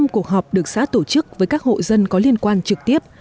năm cuộc họp được xã tổ chức với các hộ dân có liên quan trực tiếp